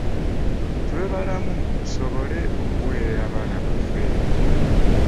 Tube balamu tusobole okuweerera abaana baffe.